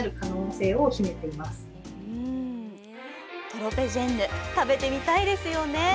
トロペジェンヌ、食べてみたいですよね。